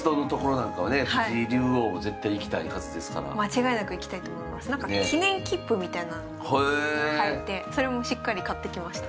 なんか記念切符みたいなのも買えてそれもしっかり買ってきました。